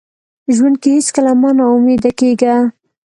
ژوند کې هیڅکله مه ناامیده کیږه.